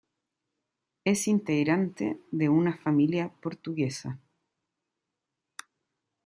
Es integrante de una familia portuguesa.